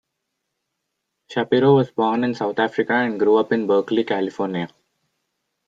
Shapiro was born in South Africa and grew up in Berkeley, California.